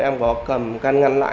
em có cầm căn ngăn lại